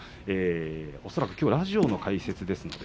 恐らくきょうはラジオの解説です。